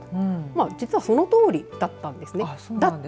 実は、そのとおりだったんです。